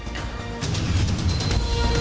แต่เห็นท่านบอกว่าจะตั้งต้นอะไรก็แล้วแต่